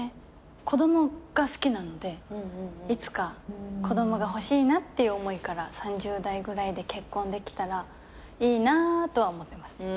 子供が好きなのでいつか子供が欲しいなっていう思いから３０代ぐらいで結婚できたらいいなあとは思ってます。